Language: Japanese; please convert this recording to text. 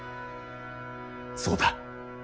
そうだ。